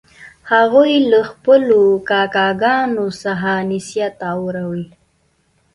هغوی له خپلو کاکاګانو څخه نصیحت اوري